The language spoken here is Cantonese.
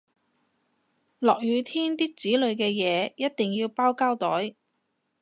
落雨天啲紙類嘅嘢一定要包膠袋